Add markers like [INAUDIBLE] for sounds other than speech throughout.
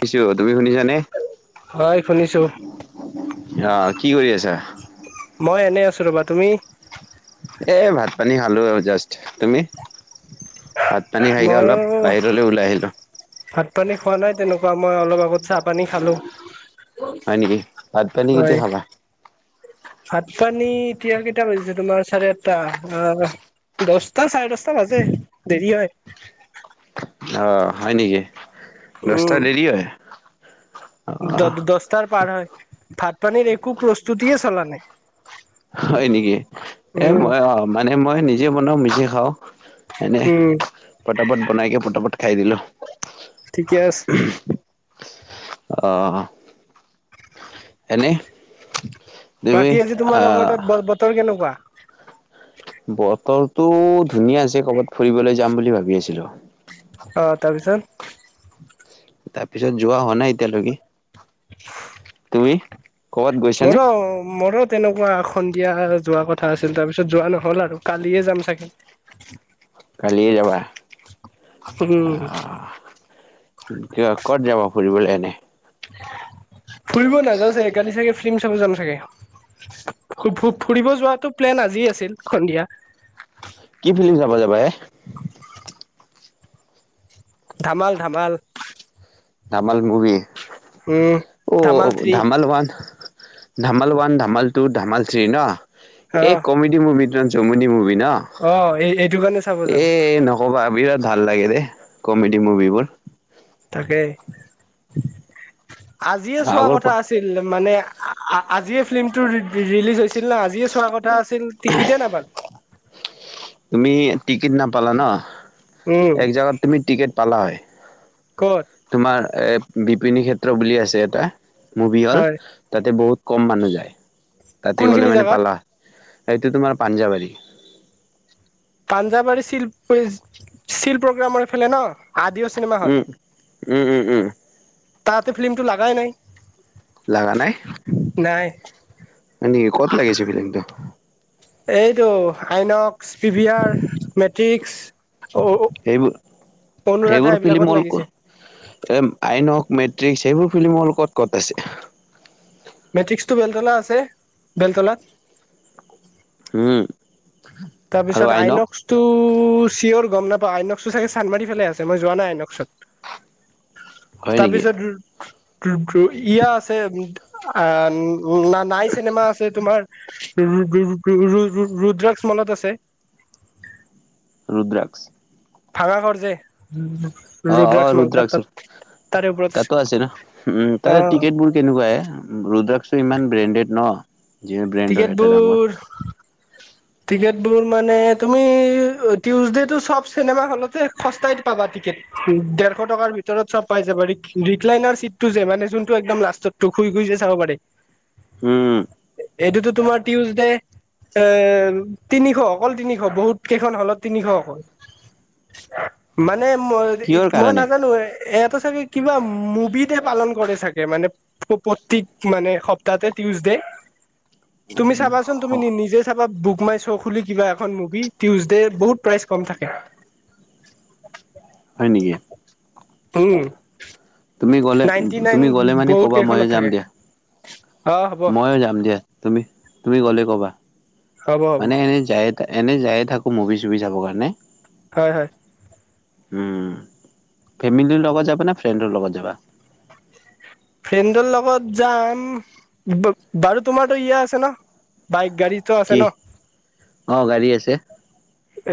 পিছো তুমি শুনিছানে? হয় শুনিছোঁ। আহ কি কৰি আছা? মই এনেই আছো ৰবা। তুমি? এ' ভাত পানী খালোঁ আৰু জাষ্ট। তুমি? ভাত পানী খাইকে মইো অলপ বাহিৰলে ওলাই আহিলো। ভাত পানী খোৱা নাই তেনেকুৱা মই অলপ আগত চাহ পানী খালো। হয় নেকি ভাত পানী কেতিয়া হয়। খাবা ভাত পানী এতিয়া কেইটা বাজিছে তোমাৰ চাৰে আঠটা আ দহটা চাৰে দহটা বাজে দেৰি হয়। অ', হয় নেকি দচটা দেৰি হয়। অ দ দহটাৰ পাৰ হয় ভাত পানীৰ একো প্ৰস্তুতিয়ে চলা নাই হয় নেকি এ উম মই অ মানে মই নিজে বনাওঁ নিজে খাওঁ। এনে উম পটাপট বনাইকে পটাপট খাই দিলো। ঠিকে আছে। অ। এনেই বাকী আজি তোমালোকৰ তাত বতৰ কেনেকুৱা? বতৰটো ধুনীয়া আছে কৰ'বাত ফুৰিবলৈ যাম বুলি ভাবি আছিলো। অ', তাৰপিছত তাৰপিছত যোৱা হোৱা নাই এতিয়ালৈকে তুমি। কৰ'বাত মোৰ গৈছানে মোৰ তেনেকুৱা সন্ধিয়া যোৱা কথা আছিল তাৰ পিছত যোৱা নহল আৰু কালিয়ে যাম চাগে। কালি যাবা অ। উম, ক ক'ত যাব ফুৰিবলৈ এনে। ফুৰিব নাযাওঁ চাগে কালি চাগে ফিল্ম চাব যাম চাগে। ফুৰিব যোৱাটো প্লেন আজি আছিল সন্ধিয়া। কি ফিল্ম চাব যাবা হে। [INAUDIBLE] ধামাল ধামাল। ধামাল মুভি উম। অ', Dhamaal three Dhamaal one. Dhamaal one Dhamaal two Dhamaal three ন অ এই কমেডি মুভিটো যমুনিী মুভি ন। অ', এই এইটো কাৰণে চাব যাম। ক'বা বিৰাট ভাল লাগে দেেই কমেডি মুভিবোৰ। তাকেই আজিয়ে চোৱা আগৰ কথা পৰা আছিল মানে। আজিয়ে ফিল্মটো ৰিলিজ হৈছিল না আজিয়ে চোৱা কথা আছিল টিকেট এই নেপাল। তুমি টিকেট নাপালা ন' উম। এক জোগাত তুমি টিকেট পালা হয়। ক'ত। তোমাৰ এ বিপিনী ক্ষেত্ৰ বুলি আছে এটা। মুভি হল হয় তাতে বহুত কম মানুহ যায় তাতে কোনখিনি গ'লে মানে জেগাত পালা এইটো তোমাৰ পাঞ্জাৱাৰী। পাঞ্জাৱৰী চিল চিল প্ৰগ্ৰামৰ ফেলে ন। আদিও চিনেমা হল উম উম উম উম তাতে ফিল্মটো লগাই নাই। লাগা নাই নাই নেকি ক'ত লাগিছে ফিলংটো। এইটো আইনক্স পিভিয়াৰ মেট্ৰিক্স সেইবোৰ অনুৰাধা সেইবোৰ ফিলিম এইবিলাকত হল লাগিছে কৰ এ আইনক মেট্ৰিক সেইবোৰ ফিল্মৰ কত কট আছে। মেট্ৰিক্সটো বেলতলা আছে বেলতলাত। উম। তাৰপিছত আইনক। তো চিঞৰ গম নাপা আইনক্সো চাগে চান্মাৰি ফালে আছে মই যোৱা নাই আইনক্সত। হয় নেকি তাৰপিছত ইয়া আছে উ আ ন নাই চিনেমা আছে তোমাৰৰুদ্ৰাক স মলত আছে ৰুদ্ৰাক্ষ ভাগা ঘৰ যে অ অ ৰুদ্ৰাক্স মল তাত ৰুদ্ৰাকৰ তাত তাৰে ওপৰত তাতো আছে ন উম অ ততে টিকট বুলি কেনেকুৱাই ৰৰুদ্ৰাকসটো ইমান ব্ৰেণ্ডেড ন যি ব্ৰেণ্ড হয় এটা ডাঙৰ টিকেটবোৰ টিকট বোৰ মানে তুমি টউজডে তটো চব চিনেমা হলতে সস্তাই পাবা টিকেট দেেৰশ টকাৰ ভিতৰত চব পাই যাবা ৰিকলাইনাৰ চিট টো যে মানে যোনটো একম লাষ্টতোুই ঘুইি য চাব পাৰে। হম। এইটোতো তোমাৰ টিউচডে। এ তিনিশ অকল তিনিশ বহুত কেইখন হলত তিনিশ অকল মানে ম কিহৰ মই কাৰণে নাজানো এটো চাগে কিবা মুবিতহে পালন কৰে চাগে মানে প প্ৰতিক মানে সপ্তাহতে টিউচডে তুমি চাবাচোন তুমি নি নিজে চাবা বুক মাই শ্ব' খুলি কিবা এখন মুভি টিউজডে বহুত প্ৰাইচ কম থাকে। হয় নেকি? উম। তুমি গ'লে নাইনটি নাইন তুমি গ'লে মানে বহুত ক'বা কেইখনত ময়ে যাম থাকে দিয়া। অ হ'ব ময়ো যাম দিয়া। তুমি তুমি গ'লেই ক'বা হ'ব হ'ব মানে এনেই যায়ে এনে যায়ে থাকো। মুভি চভি চাবৰ কাৰণে হয় হয়। উম। ফোমিলিৰ লগাই যাবা নে ফ্ৰেণ্ডৰ লগত যাবা? ফ্ৰেণ্ডৰ লগত যাম। বাৰু তোমাৰতো ইয়া আছে ন বাইক গাড়ীত কি অঁ গাড়ী আছে।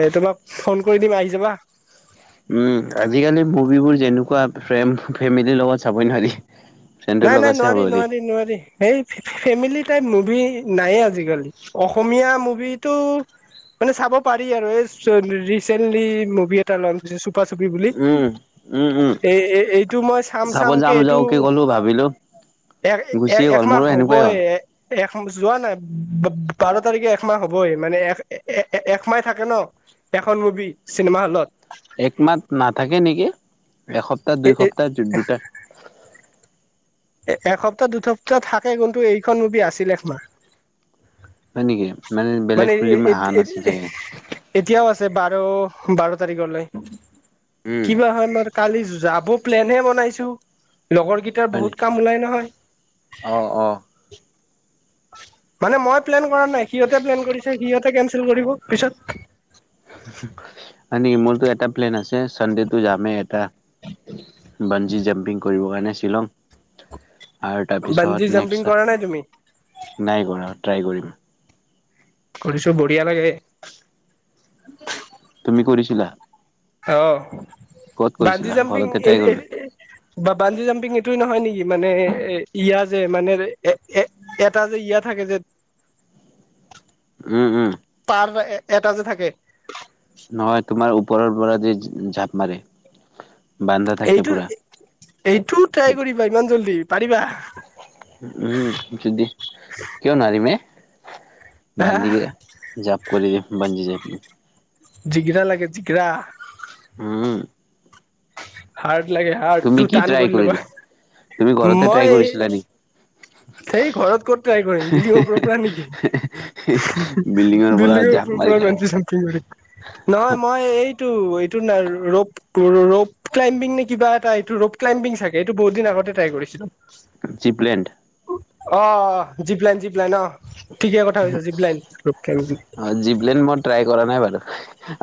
এ তোমাক ফোন কৰি দিম আহি যাবা। উম, আজিকালি মুভিবোৰ যেনেকোৱা ফে ফেমিলিৰ লগত চাবই নোৱাৰি। ফ্ৰেণ্ডৰ নাই, নাই লগত চাব নোৱাৰি পাৰি। নোৱাৰি নোৱাৰি। সেই ফেমিলি টাইপ মুভি নাইয়ে আজিকালি অসমীয়া মুভিটো মানে চাব পাৰি আৰু এই চ ৰিচেন্টলি মুভি এ টা‌ নাম হৈছে চুপা চুপি বুলি। উম উম উম এই এইটো মই চাম চাম কে এইটো ত ভাবিলো এক এ গুচিয়ে গ'ল একমাহ মোৰো সেনেকুৱাই হ'বই হ'ল। এক মাহ যোৱা নাই বাৰ তাৰিখে একমাহ হবই মানে এক এ একমাহ থাকে ন! এখন মুভি চিনেমা হ'লত একমাহ নাথাকে নেকি, এসপ্তাহ এ দুই সপ্তাহ দু দুটা এ এসপ্তাহ দুসপ্তাহ থাকে কিন্তু এইখন মুভি আছিল এক মাহ। হয় নেকি? মানে বেলেগ ফিলিম অহা নাছিল চাগে। এতিয়াও আছে বাৰ বাৰ তাৰিখলৈ উম কিবা হলৰ কালি যাব প্লেনহে বনাইছো। ‌লগৰ কিটাৰ বহুত কাম ওলাই নহয়। অঁ অঁ। মানে মই প্লেন কৰা নাই। সিহঁতে প্লেন কৰিছে সিহঁতে কেনচেল কৰিব পিছত হয় নেকি? মোৰতো এটা প্লেন আছে চানডেতটো যামেই এটা বঞ্জী জাম্পিং কৰিব কাৰণে শ্বিলং আৰু বানজি তাৰপিছত জাম্পিং নেক্সট চা, কৰা নাই তুমি নাই কৰা ট্ৰাই কৰিম। কৰিছো বঢ়িয়া লাগে। তুমি কৰিছিলা? অ' ক'ত বাঞ্জী কৰিছিলা জাম্পিং ঘৰতে ট্ৰাই এৰি কৰিলা এৰি এ বা বাঞ্জী জাম্পিং এইটোয়ে নহয় নেকি মানে এ ইয়া যে মানে এ এটা যে ইয়া থাকে যে উম উম। তাৰ এ এটা যে থাকে। নহয় তোমাৰ ওপৰৰ পৰা যে জাপ মাৰে। বান্ধা থাকে এইটো পুৰা এ এইটো ট্ৰাই কৰিবা ইমান জল্দি পাৰিবা। উম যদি কিয় নোৱাৰিম এ আহ বান্ধি জাম্প কৰি দিম। বঞ্জি জাম্পিঙ। জিগৰা লাগে জিগৰা। উম। হাৰ্ড লাগে হাৰ্ড তুমি তটো কি টান ট্ৰাই কৰি ল'বা কৰিলা তুমি ঘৰতে ট্ৰাই মই কৰিছিলা নেকি সেই ঘৰত ক'ত ট্ৰাই কৰিম বিলিঙ ওপৰত পৰা নেকি বিল্ডিঙৰ পৰা বিলিঙৰ জাপ মাৰিলা নহয় মই এইটো এইটো নাই ৰপ তোৰ ৰপ ক্লাইম্বিং নে কিবা এটা এইটো ৰপ ক্লাইম্বিং চাগে এইটো বহুত দিন আগতে ট্ৰাই কৰিছিলো জিপলেণ্ড অ জিপ লাইন জিপ লাইন অ ঠিকে কথা কৈছ জিপ লাইন অ জীপলেন মই ট্ৰাই কৰা নাই বাৰু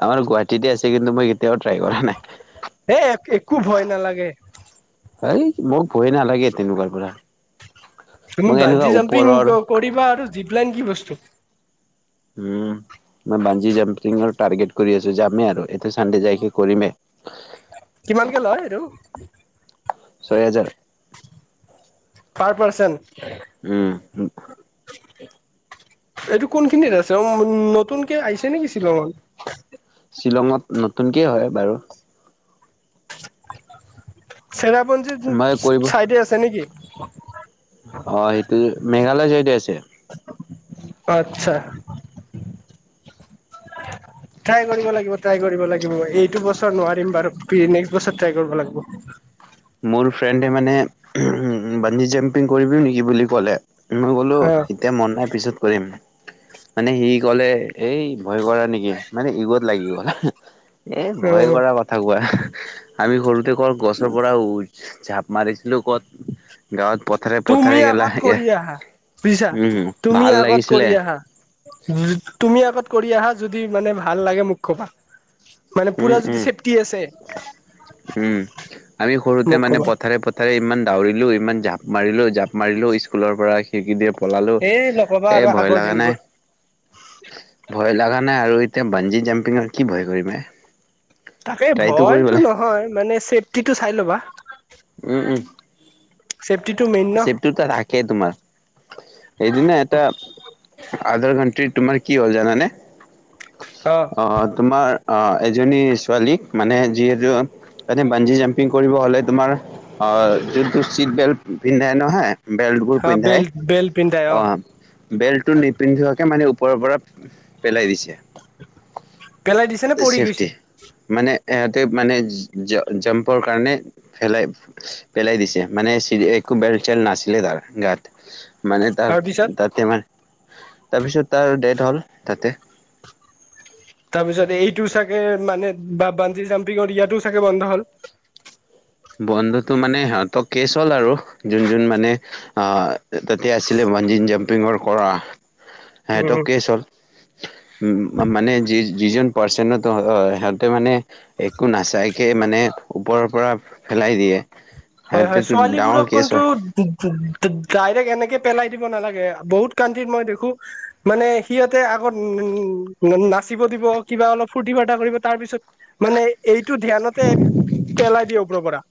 আমাৰ গুৱাহাটীতে আছে কিন্তু মই কেতিয়াও ট্ৰাই কৰা নাই হ এক একো ভয় নালাগে এই মোক ভয় নালাগে তেনেকুৱাৰ পৰা তুমি মোক এনেকুৱা বান্ধি জাম্পিং ওপৰৰ কৰিবা আৰু জিপলাইন কি বস্তু উম মই বঞ্জি জাম্পিংৰ টাৰ্গেট কৰি আছো যামেই আৰু এইটো চানডে যাইকে কৰিমে কিমানকে লয় এইটো ছয় হাজাৰ পৰ পাৰ্চেন উম [UNINTELLIGIBLE] এইটো কোনখিনিত আছে অ উ নতুনকে আহিছে নেকি শ্বিলঙত শ্বিলঙত নতুনকে হয় বাৰু চেৰাপঞ্জী মই কৰিব চাইদে আছে নেকি অ সেইটো মেঘালয় সাইদে আছে অ আতছা ট্ৰাই কৰিব লাগিব ট্ৰাই কৰিব লাগিব এইটো বছৰ নোৱাৰিম বাৰু নেক্স বছৰ ট্ৰাই কৰিব লাগিব মোৰ ফ্ৰেণ্ডে মানে বঞ্জি জাম্পিং কৰিবি নেকি বুলি ক'লে মই ক'লো অ এতিয়া মন নাই পিছত কৰিম মানে সি কলে এই ভয় কৰা নেকি মানে ইগত লাগি গ'ল এ অ ভয় কৰা প কথা কোৱা আমি সৰুতে কৰ পৰা ঝাপ মাৰিছিলো ক'ত গাঁৱত পথাৰে তুমি পথাৰে আগত গেলা কৰি আহা বুজিছা উম, তুমি ভাল আগত লাগিছিলে। কৰি আহা তুমি আগত কৰি আহা যদি মানে ভাল লাগে মোক খবা মানে উম, পুৰা যদি উম। ছেফটি আছে উম। মোক কবা তে ইমান দাৰিলো ইমান জাপ মাৰিলো জাপ মাৰিলো স্কুলৰ পৰা শেইকিদাৰ পৰা পলালো এই নকবা এ আৰু ভয় আগৰ লগা নাই দিনবোৰ ভয় লগা নাই আৰু এতিয়া বান্জি জাম্পিঙত কি ভয় কৰিবা এ তাকে ট্ৰাইটো ভয়তো কৰিবলে। নহয় মানে চেফটিটো চাই ল'বা উম উম চেফটিটো মেইন ন তোমাৰ সেইদিনা এটা আদৰ তোমাৰ কি হ'ল জানানে অ অ তোমাৰ অ এজনী ছোৱালীক মানে যিহেতু এ বঞ্জি যাম পিং কৰিব হ'লে তোমাৰ যোনটো ছিট বেল্ট পিন্ধাই নহয় বেল্টবোৰ অ পিন্ধাই বেল্ট বেল্ট পিন্ধাই অ বেল্ট টো নিপিন্ধোৱাকে মানে ওপৰৰ পৰা পেলাই দিছে পেলাই দিছে নে পৰি চেফটি গৈছে মানে ইহঁতে মানে জাম্পৰ কাৰণে পেলাই পেলাই দিছে মানে চিৰি একো বেল চেল নাছিলে তাৰ গাত মানে তাৰ তাৰপিছত তাতে মাৰ তাৰপিছত তাৰ ডেট হ'ল তাতে। তাৰপিছত এইটো চাগে মানে বা বাঞ্জি জাম্পিঙত ইয়াতো চাগে বন্ধ হ'ল। বন্ধতো মানে সিহঁতক কেচ হ'ল আৰু যোন যোন মানে অ তাতে আছিলে বঞ্জিন জাম্পিঙৰ কৰা [INAUDIBLE] হে এট কেছ হ'ল। [INAUDIBLE] উ মানে যি যিজন পাৰ্চন্নত সিহঁতে মানে একো নাচাইকে মানে ওপৰৰ পৰা পেলাই দিয়ে। হয় হয় সিহঁতেতো ডাঙৰ ছোৱালীবোৰক কেছ কোনটো হয় [UNINTELLIGIBLE] ডাইৰেক্ট এনেকে পেলাই দিব নালাগে বহুত কানট্ৰিত মই দেখো মানে সিহঁতে আগত [UNINTELLIGIBLE] না নাচিব দিব কিবা অলপ ফূৰ্তি ফাৰ্তা কৰিব তাৰ পিছত মানে এইটো ধ্যানতে পেলাই দিয় ওপৰৰ পৰা।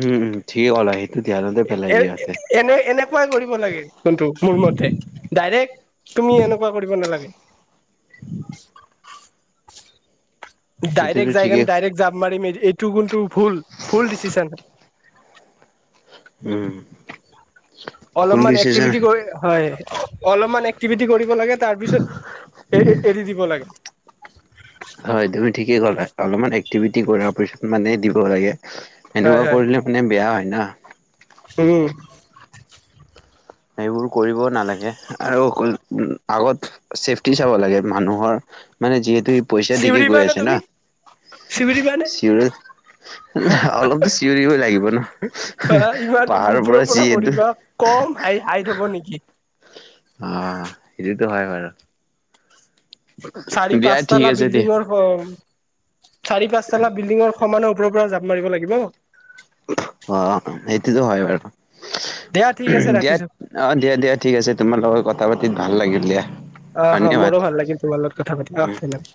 উম উম ঠিক ট'লা সেইটো ধ্যানতে পেলাই এ দিয়ে ইহঁতে। এনে এনেকুৱাই কৰিব লাগে কোনটো মোৰ মতে ডাইৰেক্ট তুমি এনেকুৱা কৰিব নালাগে। সেইটোতো ডাইৰেক্ট যাই ঠিকেই কিনে ডাইৰেক্ট যাম মাৰিম এইটো কিন্তু ভুল ভুল দিচিচান। উম। ভুল অলপমান ডিচিচন এক্টিভিটি কৰি হয় অলপমান টিভিতি কৰিব লাগে তাৰ পিছত এ এৰি দিব লাগে। হয় তুমি ঠিকেই ক'লা অলপমান এক্টিভিটি কৰাৰ পিছত মানে দিব লাগে। হয় এনেকুৱা হয় কৰিলে মানে বেয়া হয় না। উম। সেইবোৰ কৰিব নালাগে আৰু আগত চেফটি চাব লাগে মানুহৰ। মানে যিহেতু ই পইচা দিকে গৈ আছে না। শিবিৰি পানে চিৰিয়েল অলপতো চিঞৰিবই লাগিব ন। [UNINTELLIGIBLE] ধৰা ইমান পাহাৰৰ ওপৰৰ পৰা যিহেতু পৰিবা কম আই আইথ হব নেকি। অ সেইটোতো হয় বাৰু। চাৰি দিয়া ঠিক পাঁচটালা আছে দিয়া। বিল্ডিংৰ ঘম চাৰি পাঁচ তালা বিল্ডিঙৰ সমানৰ ওপৰৰ পৰা জাপ মাৰিব লাগিব। অ সেইটোতো হয় বাৰু, দিয়া ঠিক আছে ৰাখিছো দিয়াত অ দিয়া দিয়া ঠিক আছে তোমাৰ লগত কথা পাতিত ভাল লাগিল দিয়া। অ হ ধন্যবাদ। মোৰো ভাল লাগিল তোমাৰ লগত কথা পাতি অ ধন্যবাদ।